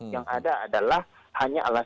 yang ada adalah hanya alasan